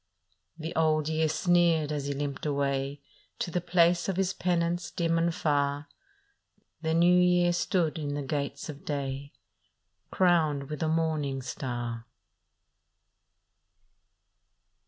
" The Old Year sneered as he limped away To the place of his penance dim and far. The New Year stood in the gates of day, Crowned with the morning star.